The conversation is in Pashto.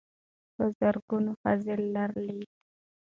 په زرګونه ښځې لرلې.